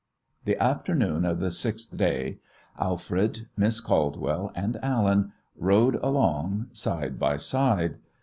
The afternoon of the sixth day Alfred, Miss Caldwell, and Allen rode along side by side.